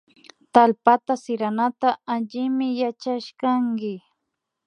Tallpata siranata allimi yachashkanki